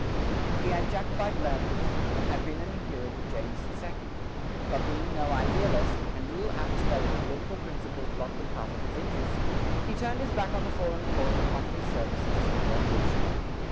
He had Jacobite leanings, and had been an adherent of James II.; but being no idealist, and little apt to let his political principles block the path of his interests, he turned his back on the fallen cause and offered his services to the Revolution.